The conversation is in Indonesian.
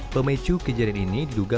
pemecu kejadian ini diduga